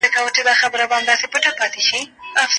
دغخ دی لوی رقيب مې نن نور له نرتوبه وځي